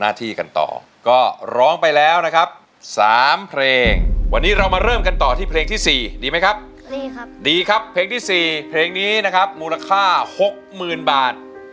ดีครับเพลงที่๔เพลงนี้นะครับมูลค่า๖๐๐๐๐บาท